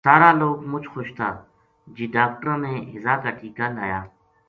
سار لوک مچ خوش تھا جے ڈاکٹراں نے ہیضہ کا ٹیکہ لایا